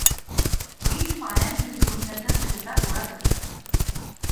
पीठ पाण्यात भिजवून, त्याचा छोटा गोळा करतात.